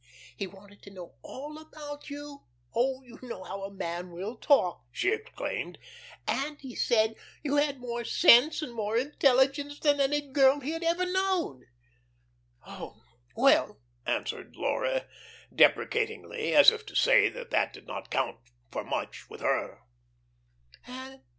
He wanted to know all about you oh, you know how a man will talk," she exclaimed. "And he said you had more sense and more intelligence than any girl he had ever known." "Oh, well," answered Laura deprecatingly, as if to say that that did not count for much with her.